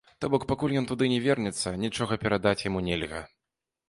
То бок, пакуль ён туды не вернецца, нічога перадаць яму нельга.